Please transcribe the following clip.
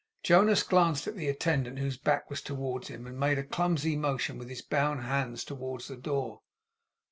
Jonas glanced at the attendant whose back was towards him, and made a clumsy motion with his bound hands towards the door.